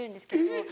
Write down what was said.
えっ！